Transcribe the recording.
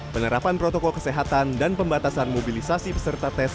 penerapan protokol kesehatan dan pembatasan mobilisasi peserta tes